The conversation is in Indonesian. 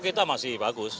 oke itu masih bagus